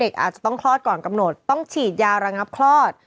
อาจจะต้องคลอดก่อนกำหนดต้องฉีดยาระงับคลอด